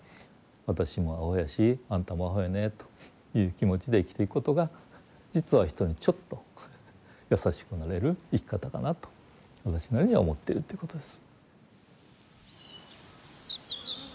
私もアホやしあんたもアホやねという気持ちで生きていくことが実は人にちょっと優しくなれる生き方かなと私なりには思ってるということです。